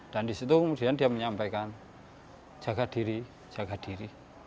dan di situ kemudian dia menyampaikan jaga diri jaga diri